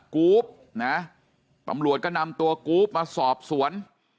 กูฟนะตำรวจก็นำตัวกรุ๊ปมาสอบสวน